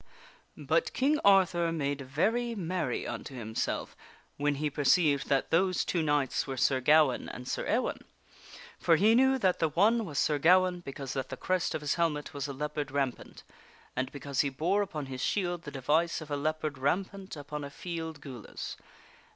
But King Arthur made very merry unto himself when he perceived that those two knights were Sir Gawaine and Sir Ewaine. For he knew that the one was Sir Gawaine because that the crest of his helmet was a leopard rampant, and because he bore upon his shield e omftk upo^two the device of a leopard rampant upon a field gules ; and he ^>$.